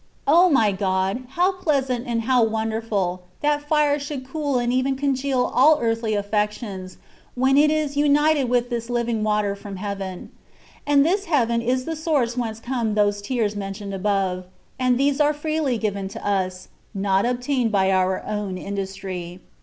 O my God ! how pleasant and how wonderftd, that fire should cool and even congeal all earthly affec tions, when it is united with this hving water from heaven : and this heaven is the source whence come those tears mentioned above ; and these are freely given to us, not obtained by our own in dustry.